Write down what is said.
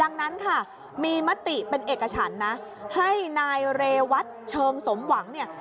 อุ๊ยเป็นเอกฉันนะให้นายเรวัตเชิงสมหวังเนี่ย